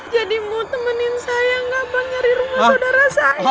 jadi mau temenin saya gak bang nyari rumah saudara saya